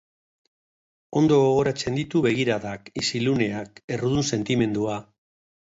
Ondo gogoratzen ditu begiradak, isiluneak, errudun sentimendua.